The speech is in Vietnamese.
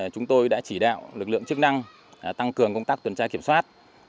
chúng tôi đã chỉ đạo lực lượng chức năng tăng cường công tác tuần tra kiểm soát